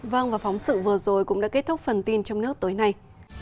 vâng và phóng sự vừa rồi cũng đã kết thúc phần tin trong nước tối nay